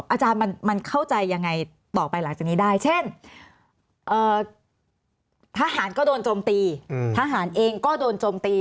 อาจารย์มันเข้าใจยังไงต่อไปหลังจากนี้ได้เช่นทหารก็โดนโจมตีทหารเองก็โดนโจมตี